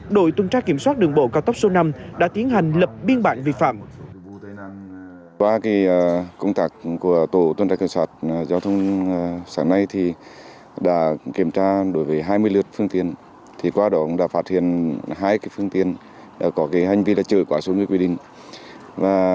đội tuần tra kiểm soát đường bộ cao tốc số năm đã tiến hành lập biên bản vi phạm